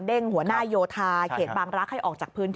หัวหน้าโยธาเขตบางรักษ์ให้ออกจากพื้นที่